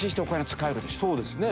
そうですね